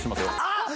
あっ！